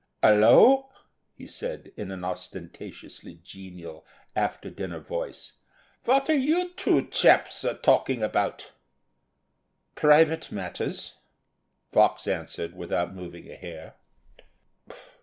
"Hullo," he said, in an ostentatiously genial, after dinner voice, "what are you two chaps a talking about?" "Private matters," Fox answered, without moving a hair.